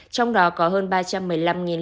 trong đó có hơn ba trăm một mươi bảy lượt xe ô tô